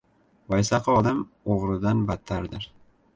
• Vaysaqi odam o‘g‘ridan battardir.